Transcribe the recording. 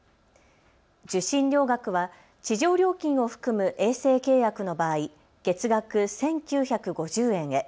受信料額は地上料金を含む衛星契約の場合、月額１９５０円へ。